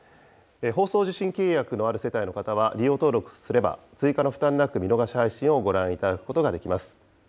放送受信契約のある世帯の方は利用登録すれば、追加の負担なく、見逃し配信をご覧いただくことができます。